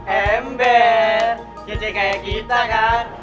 ember jadi kayak kita kan